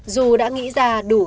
dù đã nghĩ ra đủ cho